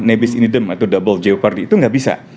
nebis in idem atau double jeopardy itu gak bisa